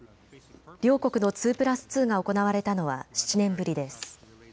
両国の２プラス２が行われたのは７年ぶりです。